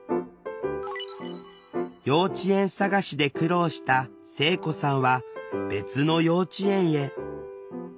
幼稚園探しで苦労した聖子さんは別の幼稚園へ。